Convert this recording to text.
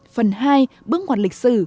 phần hai bước ngoặt lịch sử